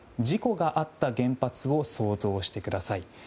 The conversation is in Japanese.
事故があった原発を想像してください。